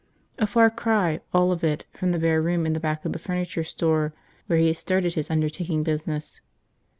A far cry, all of it, from the bare room in the back of the furniture store where he had started his undertaking business.